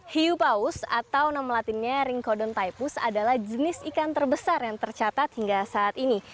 hiu paus atau nama latinnya ringkodon typus adalah jenis ikan terbesar yang tercatat hingga saat ini